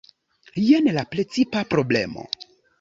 Jen la precipa problemo.